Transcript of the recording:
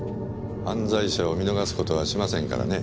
犯罪者を見逃すことはしませんからね。